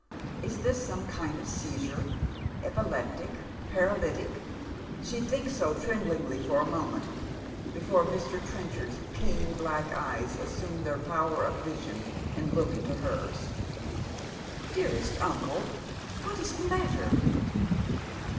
Is this some kind of seizure, — epileptic, paralytic? She tliinks so, tremblingly, for a moment, before Mr. Tienchard's keen black eyes assume their power of vision and look into hers. " Dearest uncle, what is the matter